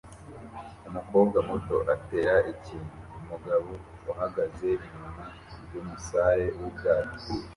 Umukobwa muto atera ikintu umugabo uhagaze inyuma yumusare wubwato